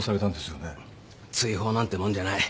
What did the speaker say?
追放なんてもんじゃない。